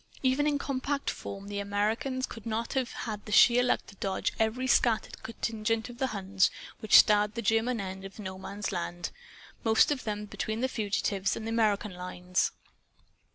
Even in compact form, the Americans could not have had the sheer luck to dodge every scattered contingent of Huns which starred the German end of No Man's Land most of them between the fugitives and the American lines.